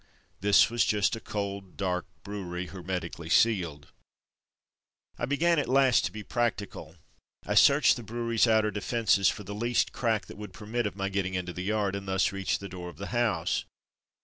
This was just a cold, dark brewery, hermetically sealed. I began at last to be practical. I searched the brewery's outer defences for the least crack that would permit of my getting into the yard, and thus reach the door of the house.